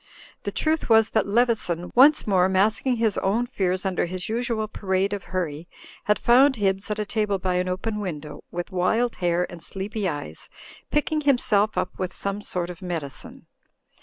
The truth was that Leveson, once more mask ing his own fears under his usual parade of hurry, had found Hibbs at a table by an open window, with wild hair and sleepy eyes, picking himself up with some sort of medicine.